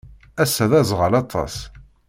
Ass-a d aẓɣal aṭas.